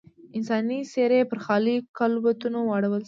انساني څېرې پر خالي کالبوتونو واړول شوې.